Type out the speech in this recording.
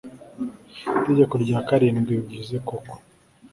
itegeko rya karindwi bivuze koko